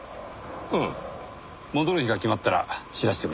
うん戻る日が決まったら知らせてくれ。